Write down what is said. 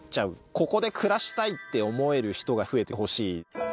ここで暮らしたいって思える人が増えてほしい。